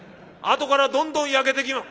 あとからどんどん焼けてき」。